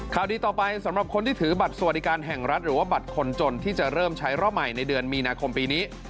ข่าวดีต่อไปสำหรับคนที่ถือบัตรสวัสดิการแห่งรัฐหรือว่าบัตรคนจนที่จะเริ่มใช้รอบใหม่ในเดือนมีนาคมปีนี้